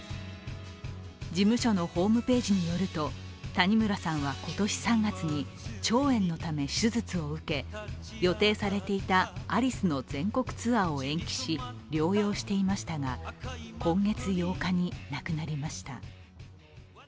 事務所のホームページによると谷村さんは今年３月に、腸炎のため手術を受け、予定されていたアリスの全国ツアーを延期し、療養していましたが、今月８日に亡くなりました。